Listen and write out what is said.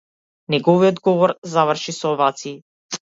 Неговиот говор заврши со овации.